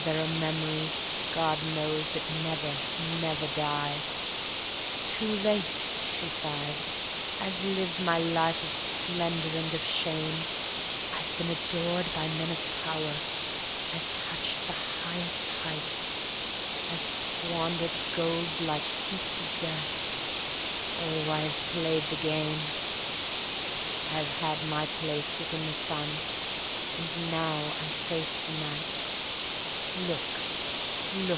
there are memories, God knows, that never, never die. ..." "Too late!" she sighed; "I've lived my life of splendor and of shame; I've been adored by men of power, I've touched the highest height; I've squandered gold like heaps of dirt oh, I have played the game; I've had my place within the sun ... and now I face the night. Look!